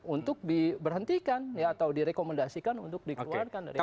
untuk diberhentikan atau direkomendasikan untuk dikeluarkan dari dewan kehormatan